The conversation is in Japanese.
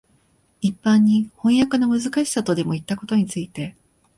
一般に飜訳のむずかしさとでもいったことについて、